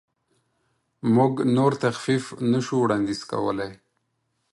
موږ نور تخفیف نشو وړاندیز کولی.